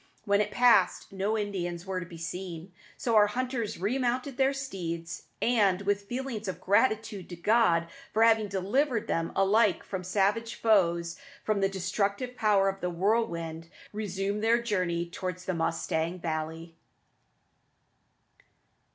When it passed, no Indians were to be seen. So our hunters remounted their steeds, and, with feelings of gratitude to God for having delivered them alike from savage foes and from the destructive power of the whirlwind, resumed their journey towards the Mustang Valley.